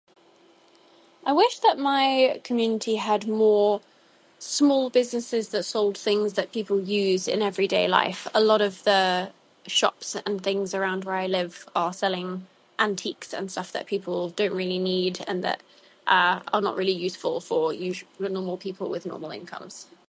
I wish that my community had more small businesses that sold things that people use in everyday life. A lot of the shops and things around where I live are selling antiques and stuff that people don't really need and that are are not really useful for to normal people with normal incomes.